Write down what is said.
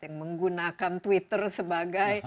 yang menggunakan twitter sebagai alat diplomasi